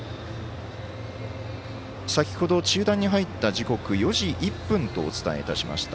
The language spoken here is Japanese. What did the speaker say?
先ほど、中断に入った時刻は４時１分とお伝えいたしました。